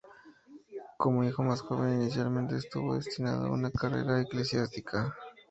Como hijo más joven, inicialmente estuvo destinado a una carrera eclesiástica.